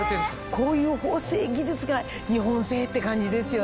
こういう縫製技術が日本製って感じですよね。